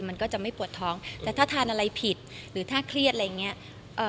มันก็จะไม่ปวดท้องแต่ถ้าทานอะไรผิดหรือถ้าเครียดอะไรอย่างเงี้ยเอ่อ